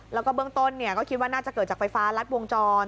แล้วก็เบื้องต้นก็คิดว่าน่าจะเกิดจากไฟฟ้ารัดวงจร